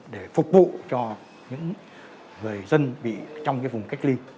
để phục vụ cho những người dân bị trong vùng cách ly